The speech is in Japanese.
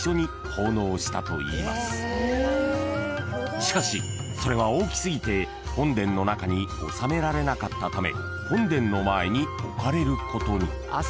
［しかしそれは大きすぎて本殿の中に納められなかったため本殿の前に置かれることに］